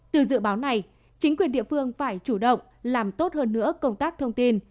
từ dự báo này chính quyền địa phương phải chủ động làm tốt hơn nữa công tác thông tin